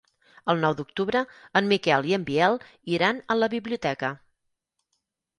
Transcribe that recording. El nou d'octubre en Miquel i en Biel iran a la biblioteca.